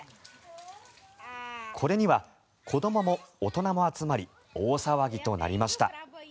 これには子どもも大人も集まり大騒ぎとなりました。